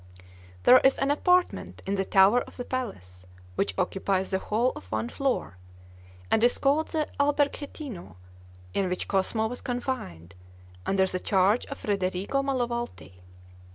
There is an apartment in the tower of the palace which occupies the whole of one floor, and is called the Alberghettino, in which Cosmo was confined, under the charge of Federigo Malavolti.